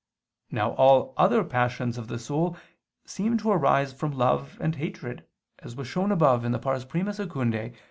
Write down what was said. Now all other passions of the soul seem to arise from love and hatred, as was shown above (I II, Q.